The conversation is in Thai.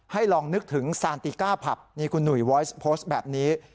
ให้ลองนึกถึงซานติก้าผับคุณหนุยไว้ยังโพสต์แบบนี้